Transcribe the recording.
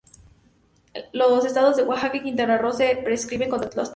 En los estados de Oaxaca y Quintana Roo se prescribe contra la tos.